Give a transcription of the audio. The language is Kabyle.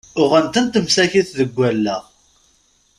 Uɣen-tent msakit deg allaɣ!